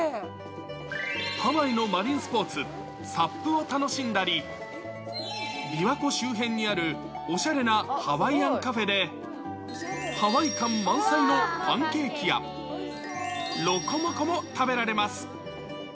ハワイのマリンスポーツ、サップを楽しんだり、琵琶湖周辺にあるおしゃれなハワイアンカフェで、ハワイ感満載のパンケーキや、ロコモコも食べられます。